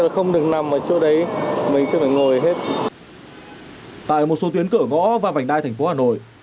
không được nằm ở chỗ đấy mình sẽ phải ngồi hết tại một số tuyến cửa gõ và vành đai thành phố hà nội